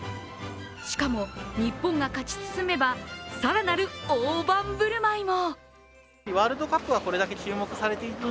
しかも日本が勝ち進めば更なる大盤振る舞いも。